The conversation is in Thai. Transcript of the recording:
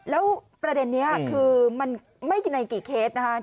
แล้วประเด็นนี้คือมันไม่กินในกี่เคสนะคะ